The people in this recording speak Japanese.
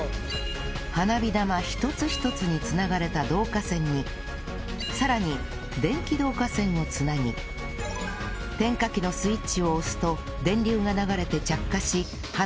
花火玉一つ一つに繋がれた導火線にさらに電気導火線を繋ぎ点火機のスイッチを押すと電流が流れて着火し花火が打ち上がる仕組み